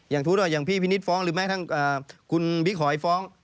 พูดว่าอย่างพี่พินิศฟ้องหรือแม้ทั้งคุณบิ๊กหอยฟ้อง